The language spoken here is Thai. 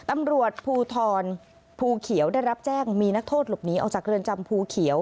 ตำรวจภูทรภูเขียวได้รับแจ้งมีนักโทษหลบหนีออกจากเรือนจำภูเขียว